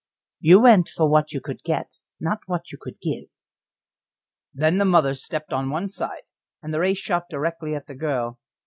"You went for what you could get, not what you could give." Then the mother stepped on one side, and the ray shot directly at the girl.